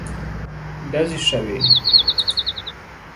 ډزې شوې.